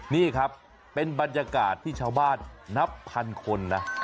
นี่ครับเป็นบรรยากาศที่ชาวบ้านนับพันคนนะ